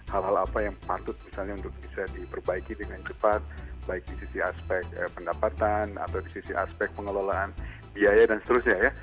hal hal apa yang patut misalnya untuk bisa diperbaiki dengan cepat baik di sisi aspek pendapatan atau di sisi aspek pengelolaan biaya dan seterusnya ya